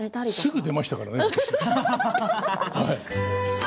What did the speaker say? すぐ出ましたからね。